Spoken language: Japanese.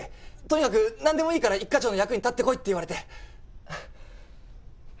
とにかくなんでもいいから一課長の役に立ってこいって言われて。